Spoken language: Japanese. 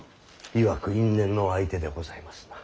いわく因縁の相手でございますな。